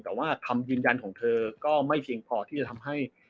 แต่ว่าคำยืนยันของเธอก็ไม่เพียงพอที่จะทำให้